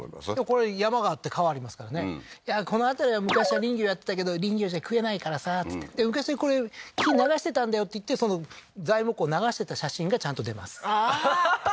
これ山があって川ありますからねやはりこの辺りは昔は林業やってたけど「林業じゃ食えないからさ」って言って「昔はこれ木流してたんだよ」って言って材木を流してた写真がちゃんと出ますああーははは